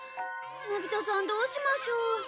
のび太さんどうしましょう？